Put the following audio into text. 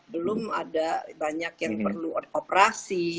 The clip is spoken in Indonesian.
belum ada banyak yang perlu operasi